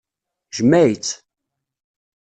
Jmeɛ-itt.